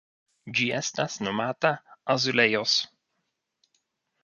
Ĝi estas nomata azulejos.